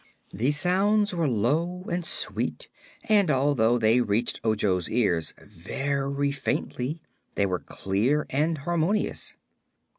The sounds were low and sweet and, although they reached Ojo's ears very faintly, they were clear and harmonious.